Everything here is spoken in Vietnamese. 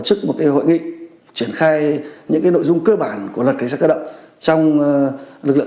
chức một cái hội nghị triển khai những cái nội dung cơ bản của luật cảnh sát cơ động trong lực lượng